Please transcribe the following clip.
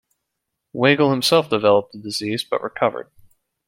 Weigl himself developed the disease, but recovered.